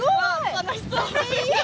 楽しそう。